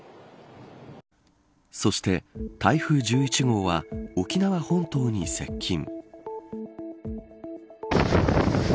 そして、台風１１号は沖縄本島に接近。